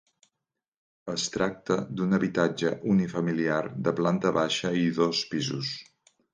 Es tracta d'un habitatge unifamiliar de planta baixa i dos pisos.